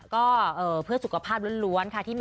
ก็เพื่อสุขภาพล้วนค่ะ